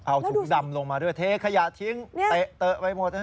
เอาถุงดำลงมาด้วยเทขยะทิ้งเตะไปหมด